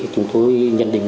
chúng tôi nhận định